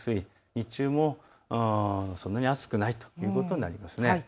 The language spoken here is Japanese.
日中もそんなに暑くないということになりますね。